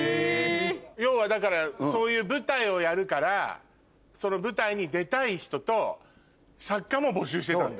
要はだからそういう舞台をやるからその舞台に出たい人と作家も募集してたんだ。